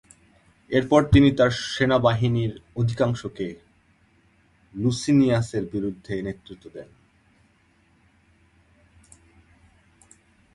এরপর তিনি তার সেনাবাহিনীর অধিকাংশকে লুসিনিয়াসের বিরুদ্ধে নেতৃত্ব দেন।